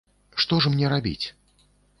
Што ж мне рабіць?